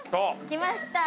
「きました」